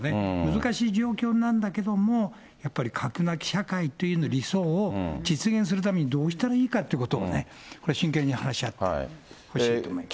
難しい状況なんだけども、やっぱり核なき社会という理想を実現するために、どうしたらいいかってことをね、真剣に話し合ってほしいと思います。